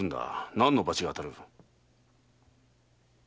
何の罰が当たる？